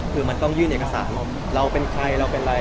คือมันต้องยื่นเอกสารเราเป็นใครเราเป็นอะไร